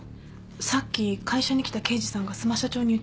さっき会社に来た刑事さんが須磨社長に言ってたんです。